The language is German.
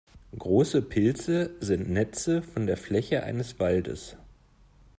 Große Pilze sind Netze von der Fläche eines Waldes.